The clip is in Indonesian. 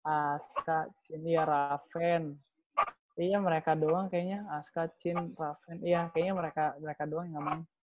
aska cin raven kayaknya mereka doang aska cin raven iya kayaknya mereka doang yang nggak main